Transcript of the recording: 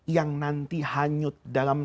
yang nanti hanyut dalam